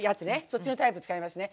そっちのタイプ使いますね。